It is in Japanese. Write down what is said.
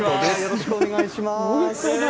よろしくお願いします。